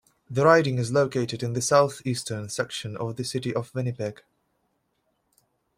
The riding is located in the southeastern section of the City of Winnipeg.